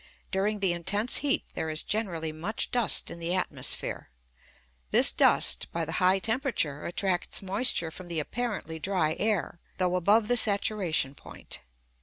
During the intense heat there is generally much dust in the atmosphere; this dust, by the high temperature, attracts moisture from the apparently dry air, though above the saturation point.